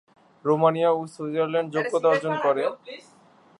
Romania ও Switzerland যোগ্যতা অর্জন করে।